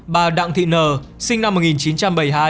bà đặng thị nờ sinh năm một nghìn chín trăm bảy mươi hai